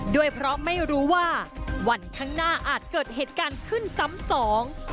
ด้วยเพราะไม่รู้ว่าวันข้างหน้าอาจเกิดเหตุการณ์ขึ้นซ้ำสอง